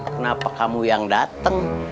kenapa kamu yang dateng